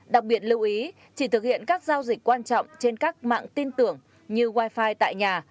đặc biệt lưu ý chỉ thực hiện các giao dịch quan trọng trên các mạng tin tưởng như wifi tại nhà